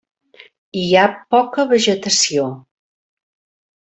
Hi ha poca vegetació.